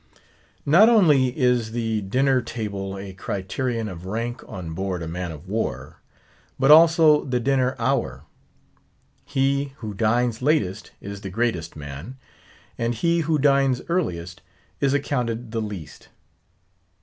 Not only is the dinner table a criterion of rank on board a man of war, but also the dinner hour. He who dines latest is the greatest man; and he who dines earliest is accounted the least.